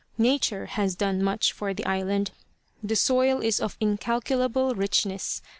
Nature has done much for the island. The soil is of incalculable richness.